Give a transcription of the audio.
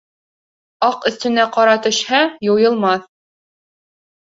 Аҡ өҫтөнә ҡара төшһә, юйылмаҫ.